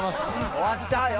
終わっちゃうよ！